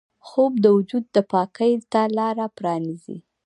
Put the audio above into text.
خوب د وجود پاکۍ ته لاره پرانیزي